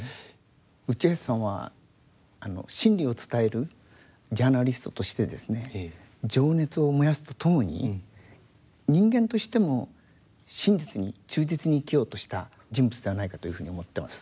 内橋さんは真理を伝えるジャーナリストとしてですね情熱を燃やすとともに人間としても真実に忠実に生きようとした人物ではないかというふうに思ってます。